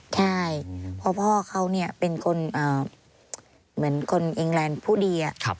ใช่เพราะพ่อเขาเป็นคนเหมือนคนเองแลนด์ผู้ดี